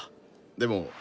でも。